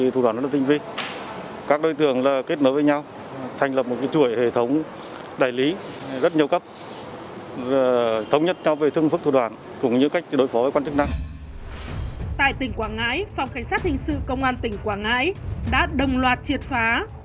tại tỉnh quảng ngãi phòng cảnh sát hình sự công an tỉnh quảng ngãi đã đồng loạt triệt phá